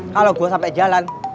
kalo gua sampe jalan